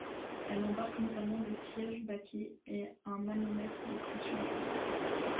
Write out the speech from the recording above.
Elle embarque notamment des sièges baquets et un manomètre de pression d’huile.